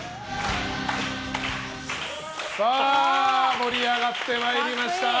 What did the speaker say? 盛り上がってまいりました。